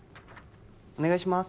お願いします